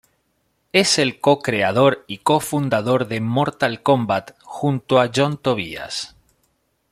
Es el co-creador y co-fundador de "Mortal Kombat", junto a John Tobias.